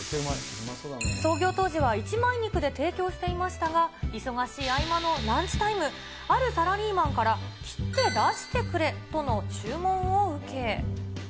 創業当時は、一枚肉で提供していましたが、忙しい合間のランチタイム、あるサラリーマンから、切って出してくれとの注文を受け。